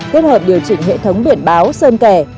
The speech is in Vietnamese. kết hợp điều chỉnh hệ thống biển báo sơn kẻ